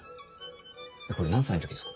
これ何歳の時ですか？